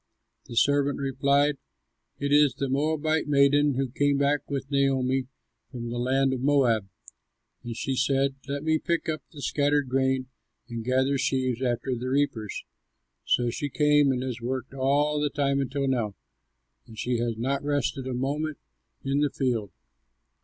The servant replied, "It is the Moabite maiden who came back with Naomi from the land of Moab; and she said, 'Let me pick up the scattered grain and gather sheaves after the reapers.' So she came and has worked all the time until now, and she has not rested a moment in the field."